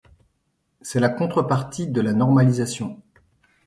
C'est la contrepartie de la normalisation.